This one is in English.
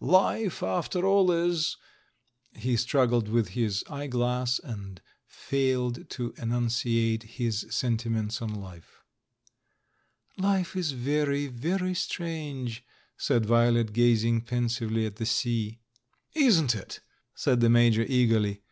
Life, after all, is " He struggled with his ej^eglass and failed to enunciate his sentiments on life. "Life is very, very strange," said Violet, gaz ing pensively at the sea. "Isn't it?" said the Major eagerly.